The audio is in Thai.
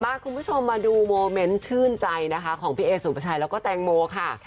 คุณผู้ชมมาดูโมเมนต์ชื่นใจนะคะของพี่เอสุภาชัยแล้วก็แตงโมค่ะ